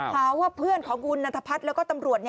พาว่าเพื่อนของคุณดันทะพักหรือก็ตำรวจ